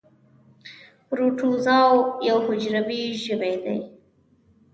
پروټوزوا یو حجروي ژوي دي